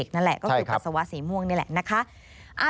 ก็คือปัชสว่าสีม่วงนี่แหละ